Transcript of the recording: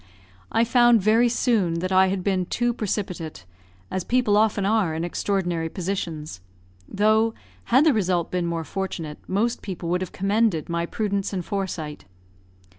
I found very soon, that I had been too precipitate, as people often are in extraordinary positions; though, had the result been more fortunate, most people would have commended my prudence and foresight.